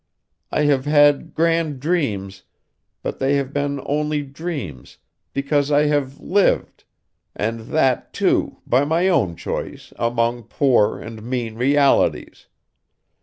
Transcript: I have had grand dreams, but they have been only dreams, because I have lived and that, too, by my own choice among poor and mean realities.